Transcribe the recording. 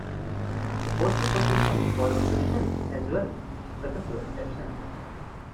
The postal code system follows the regions as well, with a few exceptions.